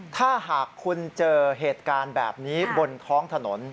ถ้าหากคุณเจอเหตุการณ์แบบนี้บนท้องถนน